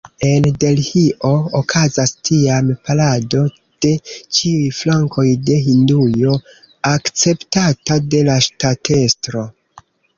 En Delhio okazas tiam parado de ĉiuj flankoj de Hindujo, akceptata de la ŝtatestro.